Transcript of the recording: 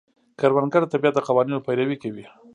کروندګر د طبیعت د قوانینو پیروي کوي